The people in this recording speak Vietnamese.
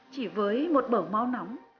chỉ với một bờ mau nóng